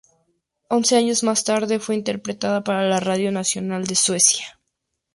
Once años más tarde fue interpretada para la Radio Nacional de Suecia.